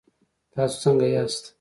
تاسو څنګ ياست؟